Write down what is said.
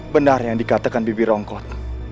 biar yang dikatakan bibi rongkot